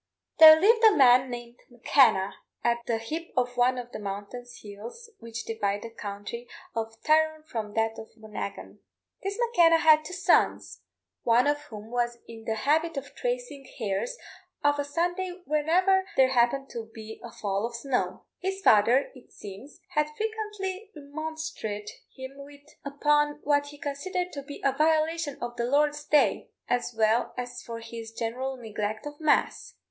There lived a man named M'Kenna at the hip of one of the mountainous hills which divide the county of Tyrone from that of Monaghan. This M'Kenna had two sons, one of whom was in the habit of tracing hares of a Sunday whenever there happened to be a fall of snow. His father, it seems, had frequently remonstrated with him upon what he considered to be a violation of the Lord's day, as well as for his general neglect of mass.